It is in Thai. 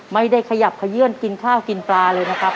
ไม่ได้ขยับขยื่นกินข้าวกินปลาเลยนะครับ